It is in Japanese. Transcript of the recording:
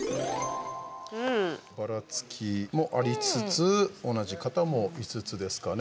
ばらつきもありつつ同じ方もいつつですかね。